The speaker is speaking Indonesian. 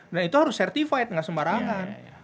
dan itu harus certified nggak sembarangan